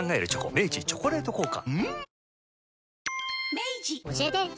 明治「チョコレート効果」